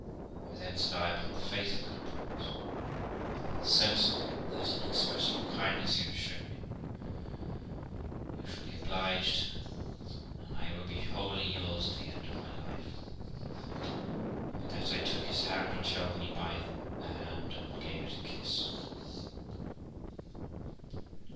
Why, then ', said I, ' upon the faith of that promise, and in the sense of that inexpressible kindness you have shown me, you shall be obliged, and I will be wholly yours to the end of my life'; and with that I took his hand, which held me by the hand, and gave it a kiss.